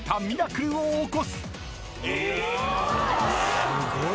すごい。